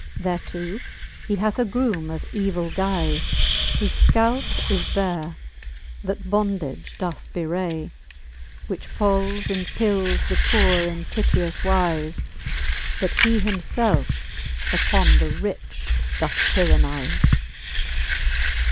Thereto he hath a groome of evill guize, Whole fcalp is bare, that bondage doth bewray, Which pols and pils the poore in piteous wize j But he him lelfe uppon the rich doth tyrannize.